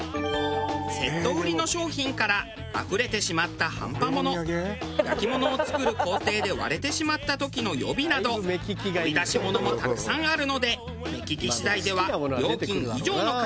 セット売りの商品からあふれてしまったハンパもの焼き物を作る工程で割れてしまった時の予備など掘り出し物もたくさんあるので。